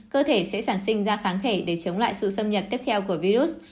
cơ thể sẽ sản sinh ra kháng thể để chống lại sự xâm nhập tiếp theo của virus